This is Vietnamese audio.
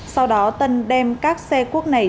sau đó tân đem các xe cuốc này